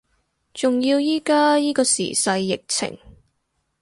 仲要依家依個時勢疫情